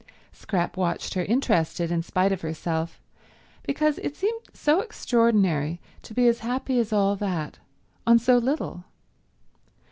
Scrap watched her, interested in spite of herself, because it seemed so extraordinary to be as happy as all that on so little.